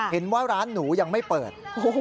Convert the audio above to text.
เห็นว่าร้านหนูยังไม่เปิด